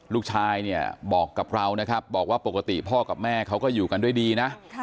ลูกชายเนี่ยบอกกับเรานะครับบอกว่าปกติพ่อกับแม่เขาก็อยู่กันด้วยดีนะ